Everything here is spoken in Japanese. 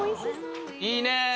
いいねえ